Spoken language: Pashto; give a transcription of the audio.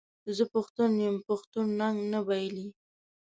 زه پښتون یم پښتون ننګ نه بایلي.